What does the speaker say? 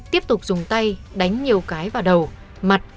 tiếp tục dùng tay đánh nhiều cái vào đầu mặt